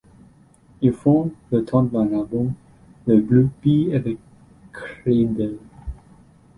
Il fonde, le temps d'un album, le groupe Bee avec Cradle.